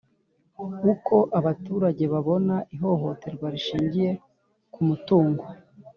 Uko abaturage babona ihohoterwa rishingiye ku mutungo